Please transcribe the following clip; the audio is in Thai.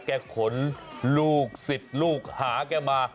ขนลูกศิษย์ลูกหาแกมา